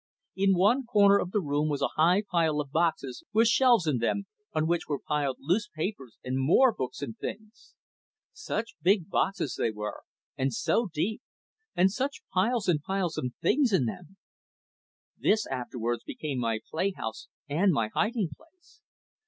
In one corner of the room was a high pile of boxes, with shelves in them, on which were piled loose papers and more books and things. Such big boxes they were, and so deep, and such piles and piles of things in them! This afterwards became my playhouse and my hiding place.